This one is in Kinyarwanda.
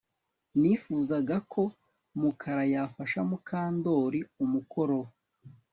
Nifuzaga ko Mukara yafasha Mukandoli umukoro we